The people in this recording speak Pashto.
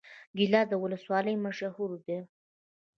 ګیلان ولسوالۍ مشهوره ده؟